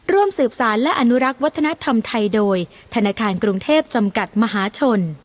ร่วมสืบสารและอนุรักษ์วัฒนธรรมไทยโดยธนาคารกรุงเทพจำกัดมหาชน